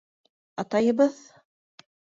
Атайыбыҙ...